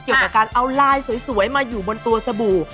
เกี่ยวกับการเอาลายสวยมาอยู่บนตัวสบู่